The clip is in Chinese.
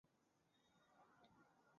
小方竹为禾本科方竹属下的一个种。